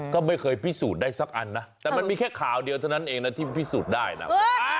ก็ไม่เคยพิสูจน์ได้สักอันนะแต่มันมีแค่ข่าวเดียวเท่านั้นเองนะที่พิสูจน์ได้นะ